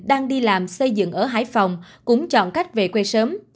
đang đi làm xây dựng ở hải phòng cũng chọn cách về quê sớm